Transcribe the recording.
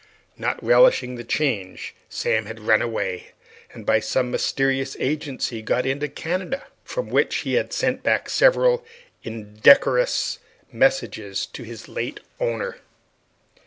Not relishing the change, Sam had run away, and by some mysterious agency got into Canada, from which place he had sent back several indecorous messages to his late owner.